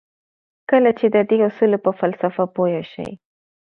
کله چې د دې اصولو پر فلسفه پوه شئ.